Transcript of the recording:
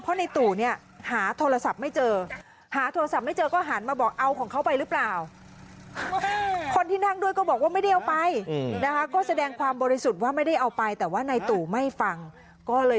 เพราะในตู่หาโทรศัพท์ไม่เจอ